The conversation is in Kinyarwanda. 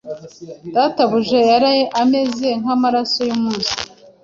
Databuja yari ameze nkamaso yumunsi